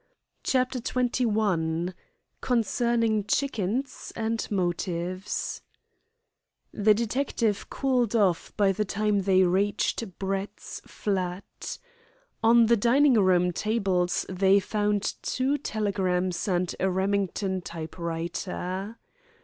CHAPTER XXI CONCERNING CHICKENS, AND MOTIVES The detective cooled off by the time they reached Brett's flat. On the dining room tables they found two telegrams and a Remington type writer.